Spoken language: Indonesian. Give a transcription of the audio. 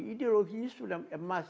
ideologi ini sudah emas